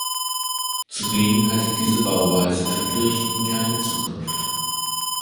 Zudem hatte diese Bauweise für Kirchen keine Zukunft.